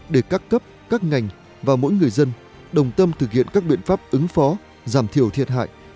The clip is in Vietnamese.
để các cấp các ngành và mỗi người dân đồng tâm thực hiện các biện pháp ứng phó giảm thiểu thiệt hại